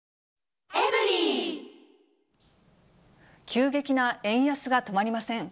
急激な円安が止まりません。